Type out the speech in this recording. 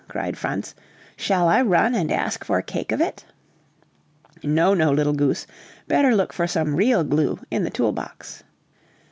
cried Franz; "shall I run and ask for a cake of it?" "No, no, little goose! better look for some real glue in the tool box."